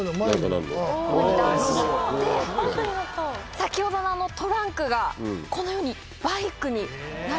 先ほどのトランクがこのようにバイクになるんですよ。